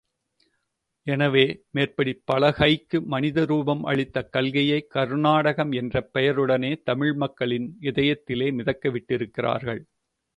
எனவே, மேற்படி பலகைக்கு மனித ரூபமளித்து கல்கியை கர்நாடகம் என்ற பெயருடனே தமிழ் மக்களின் இதயத்திலே மிதக்க விட்டிருக்கிறார்கள்.